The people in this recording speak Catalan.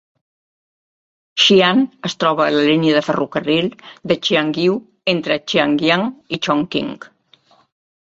Shiyan es troba a la línia de ferrocarril de Xiangyu, entre Xiangyang i Chongqing.